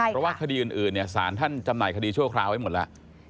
เพราะว่าคดีอื่นสารท่านจำหน่ายคดีชั่วคราวไว้หมดแล้ว